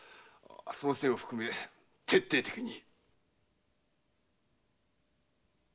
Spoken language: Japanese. その線を含め徹底的に。